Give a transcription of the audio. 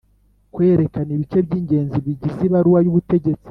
Kwerekana ibice by’ingenzi bigize ibaruwa y’ubutegetsi